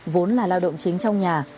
vốn là lao động chính trong nhà